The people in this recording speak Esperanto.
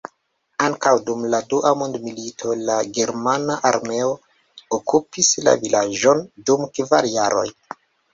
Ankaŭ dum dua mondmilito la ĝermana armeo okupis la vilaĝon dum kvar jaroj.